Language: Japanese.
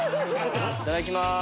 いただきます。